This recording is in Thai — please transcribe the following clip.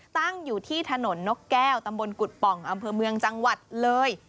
ตั้งอยู่ที่ถนนนกแก้วตำบลกุฎป่องอำเภอเมืองจังหวัดเลย